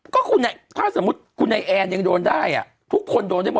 ก็คุณไอ้ข้าวสมมติคุณไอ้แอนอังโดนได้อะ